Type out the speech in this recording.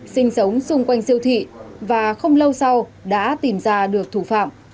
sinh sống xung quanh siêu thị và không lâu sau đã tìm ra được thủ phạm